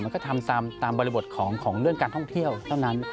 ก็ทำตามบริบทของเรื่องการท่องเที่ยวเท่านั้น